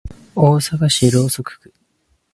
大阪市浪速区